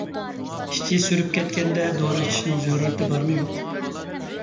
ئىچى سۈرۈپ كەتكەندە دورا ئىچىشنىڭ زۆرۈرىيىتى بارمۇ-يوق؟